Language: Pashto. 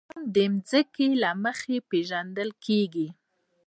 افغانستان د ځمکه له مخې پېژندل کېږي.